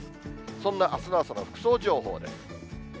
そんなあすの朝の服装情報です。